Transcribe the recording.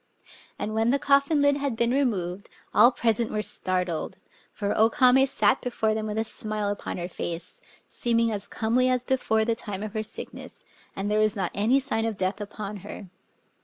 And when the coffin lid had been removed, all present were startled; for O Kame sat before them with a smile upon her face, seeming as comely as before the time of her sickness; and there was not any sign of death upon her.